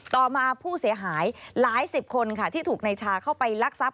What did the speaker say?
ต่อมาผู้เสียหายหลายสิบคนค่ะที่ถูกนายชาเข้าไปลักทรัพย